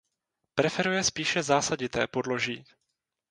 Preferuje spíše zásadité podloží.